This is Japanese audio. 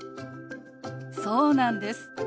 そうなんです。